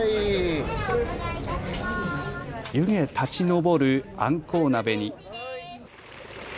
湯気立ち上るあんこう鍋に。